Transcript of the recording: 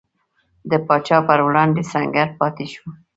د پاچا پر وړاندې سنګر پاتې شو.